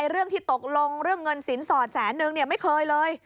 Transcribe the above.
เรื่องที่ตกลงเรื่องเงินสินสอดแสนนึงไม่เคยเลย